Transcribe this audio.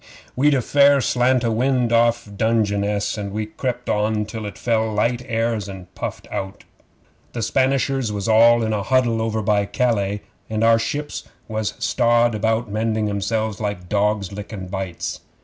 'We'd a fair slant o' wind off Dungeness, and we crept on till it fell light airs and puffed out. The Spanishers was all in a huddle over by Calais, and our ships was strawed about mending 'emselves like dogs lickin' bites.